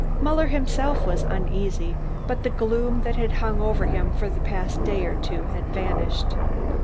Muller himself was uneasy, but the gloom that had hung over him for the past day or two had vanished.